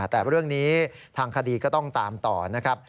แต่เรื่องนี้ทางคดีก็ต้องตามต่อนะครับ